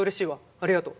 ありがとう。